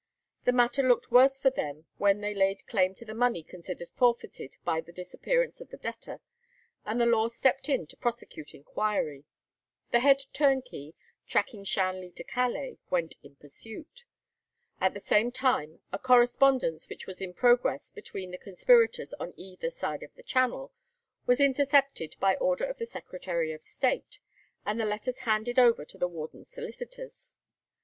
The matter looked worse for them when they laid claim to the money considered forfeited by the disappearance of the debtor, and the law stepped in to prosecute inquiry. The head turnkey, tracking Shanley to Calais, went in pursuit. At the same time a correspondence which was in progress between the conspirators on either side of the Channel was intercepted by order of the Secretary of State, and the letters handed over to the warden's solicitors.